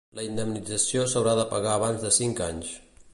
La indemnització s'haurà de pagar abans de cinc anys.